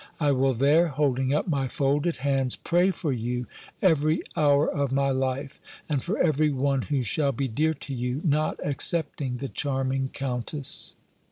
I will there" (holding up my folded hands) "pray for you every hour of my life; and for every one who shall be dear to you, not excepting the charming Countess.